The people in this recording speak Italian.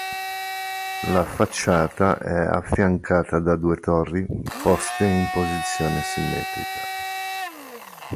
La facciata è affiancata da due torri poste in posizione simmetrica.